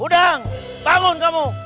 udang bangun kamu